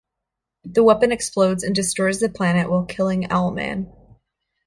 The weapon explodes and destroys the planet while killing Owlman.